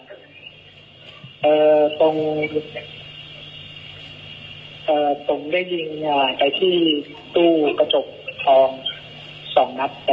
ตรง